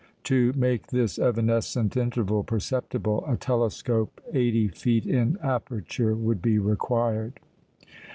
To make this evanescent interval perceptible, a telescope eighty feet in aperture would be required.